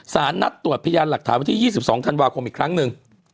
นัดตรวจพยานหลักฐานวันที่๒๒ธันวาคมอีกครั้งหนึ่ง